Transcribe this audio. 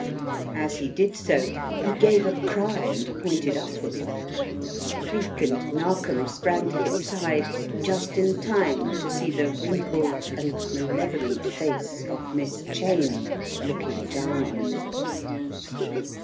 As he did so, he gave a cry and pointed upward. Cleek and Narkom sprang to his side just in time to see the wrinkled and malevolent face of Miss Cheyne looking down on them.